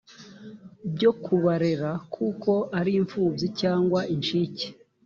byo kubarera kuko ari imfubyi cyangwa incike